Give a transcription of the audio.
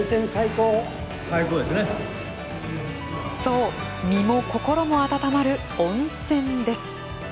そう身も心も温まる温泉です。